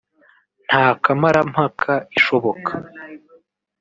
nta kamarampaka ishoboka